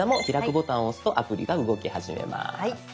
ボタンを押すとアプリが動き始めます。